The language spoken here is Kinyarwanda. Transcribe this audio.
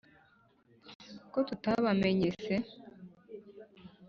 « Ko tutabamenye se? »